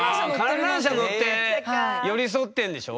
観覧車乗って寄り添ってんでしょ？